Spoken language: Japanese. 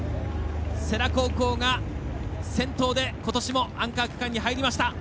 世羅高校が先頭で、ことしもアンカー区間に入りました。